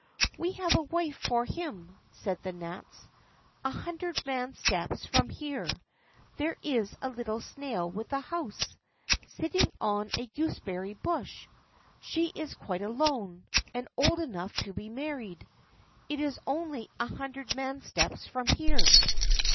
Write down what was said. "We have a wife for him," said the gnats; "a hundred man steps from here, there is a little snail with a house, sitting on a gooseberry bush; she is quite alone, and old enough to be married. It is only a hundred man steps from here."